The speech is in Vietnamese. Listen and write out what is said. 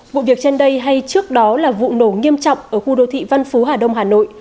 vụ việc trên đây hay trước đó là vụ nổ nghiêm trọng ở khu đô thị văn phú hà đông hà nội